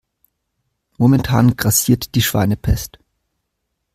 Momentan grassiert die Schweinepest.